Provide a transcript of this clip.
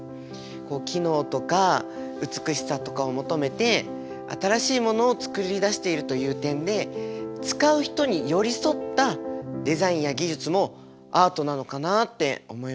こう機能とか美しさとかを求めて新しいものを作り出しているという点で使う人に寄り添ったデザインや技術もアートなのかなって思いました。